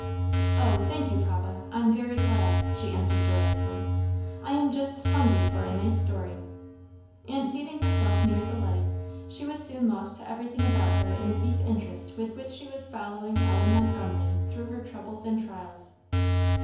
"Oh, thank you, papa, I'm very glad," she answered joyously, "I am just hungry for a nice story." And seating herself near the light, she was soon lost to everything about her in the deep interest with which she was following Ellen Montgomery through her troubles and trials.